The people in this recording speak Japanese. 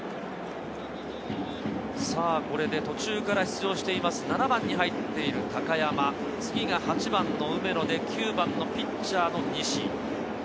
これで途中から出場しています、７番に入っている高山、次が８番の梅野で９番のピッチャー・西。